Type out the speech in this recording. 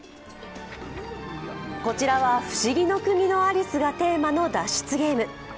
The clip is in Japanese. こちらは「不思議の国のアリス」がテーマの脱出ゲーム。